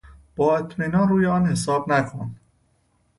با اطمینان روی آن حساب نکن.